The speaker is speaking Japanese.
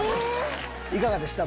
いかがでした？